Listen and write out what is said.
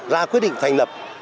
ra quyết định thành lập